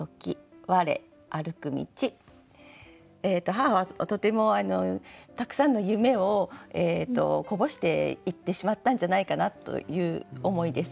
母はとてもたくさんの夢をこぼしていってしまったんじゃないかなという思いです。